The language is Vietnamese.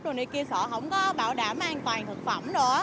sợ không có bảo đảm an toàn thực phẩm